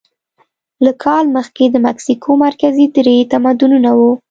له کال مخکې د مکسیکو مرکزي درې تمدنونه وو.